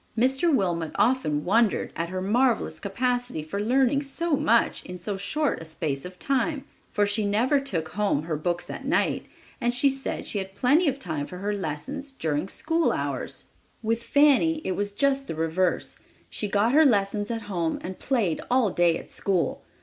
Mr. Wilmot often wondered at her marvelous capacity for learning so much in so short a space of time, for she never took home her books at night, and she said she had plenty of time for her lessons during school hours. With Fanny it was just the reverse. She got her lessons at home and played all day at school!